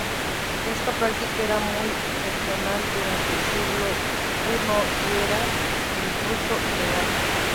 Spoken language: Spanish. Esta práctica era muy excepcional durante el siglo I y era incluso ilegal.